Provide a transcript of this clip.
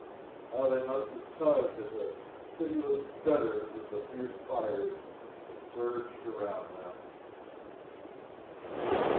How they must have tugged at the pitiless fetters as the fierce fires surged around them!